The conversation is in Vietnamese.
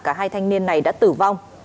cả hai thanh niên này đã tử vong